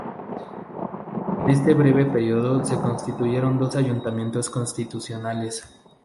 En este breve periodo se constituyeron dos ayuntamientos constitucionales.